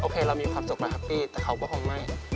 โคเรามีความสุขมาแฮปปี้แต่เขาก็คงไม่